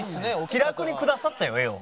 気楽にくださったよ絵を。